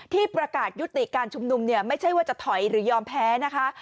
ที่ประกาศยุติการชุมนุมเนี่ยไม่ใช่ว่าจะถอยหรือยอมแพ้นะคะ